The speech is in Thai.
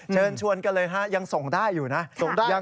เชิญชวนกันเลยฮะยังส่งได้อยู่นะ